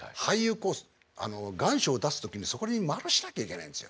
あの願書を出す時にそこに丸しなきゃいけないんですよ。